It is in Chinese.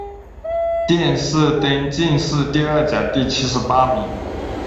殿试登进士第二甲第七十八名。